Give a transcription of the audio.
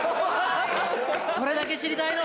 それだけ知りたいの。